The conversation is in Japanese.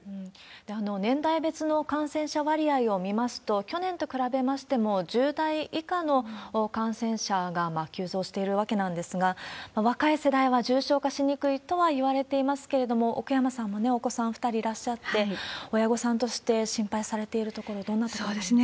年代別の感染者割合を見ますと、去年と比べましても、１０代以下の感染者が急増しているわけなんですが、若い世代は重症化しにくいとはいわれてますけど、奥山さんもお子さんお２人いらっしゃって、親御さんとして心配されているところ、どんなところですか？